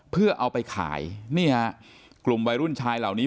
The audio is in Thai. เพื่อเอาไปขายนี่ฮะกลุ่มวัยรุ่นชายเหล่านี้